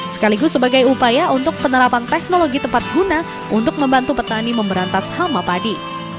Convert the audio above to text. sekaligus sebagai upaya untuk penerapan teknologi tepat guna untuk membantu petani memberantas hama padi